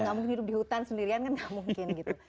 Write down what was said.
nggak mungkin hidup di hutan sendirian kan gak mungkin gitu